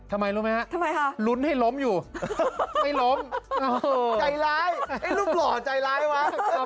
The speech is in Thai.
ทำไมรู้ไหมฮะทำไมคะลุ้นให้ล้มอยู่ไม่ล้มใจร้ายรูปหล่อใจร้ายวะ